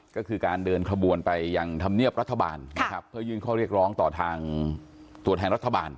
ก็คือการเดินขบวนไปยังธรรมเนียบรัฐบาลนะครับเพื่อยื่นข้อเรียกร้องต่อทางตัวแทนรัฐบาล